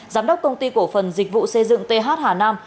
giám đốc công ty cổ phần dịch vụ xây dựng th hà nam